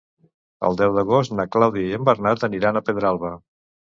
El deu d'agost na Clàudia i en Bernat aniran a Pedralba.